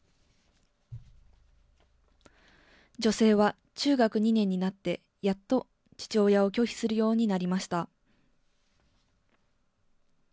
女性は、中学２年になって、やっと父親を拒否するようになりました。